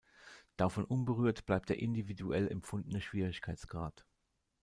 Davon unberührt bleibt der individuell empfundene Schwierigkeitsgrad.